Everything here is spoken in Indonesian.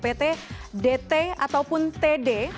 tiga kali imunisasi diphteri dpt dt ataupun td